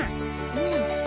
うん？